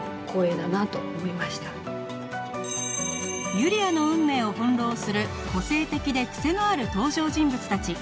ゆりあの運命を翻弄する個性的で癖のある登場人物たち